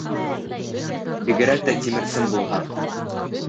— Бигерәк тә тимер сым булһа...